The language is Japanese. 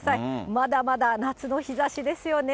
まだまだ夏の日ざしですよね。